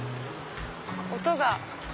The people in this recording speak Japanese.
音が。